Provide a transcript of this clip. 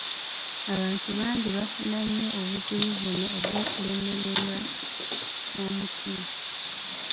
Abantu bangi bafuna nnyo obuzibu buno obw'okulemererwa kw'omutima